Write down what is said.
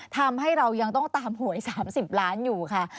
ทำให้เรายังต้องตามหวย๓๐ล้านอยู่ค่ะ